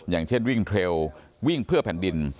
อย่างเช่นวิ่งเทรลวิ่งเพื่อแผ่นดิน